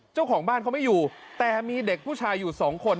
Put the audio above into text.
เจ้าของบ้านเขาไม่อยู่แต่มีเด็กผู้ชายอยู่สองคน